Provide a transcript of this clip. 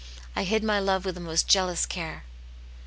I hid my love with the most jealous care."